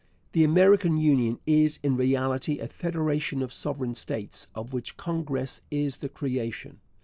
The American Union is in reality a federation of sovereign states, of which Congress is the creation.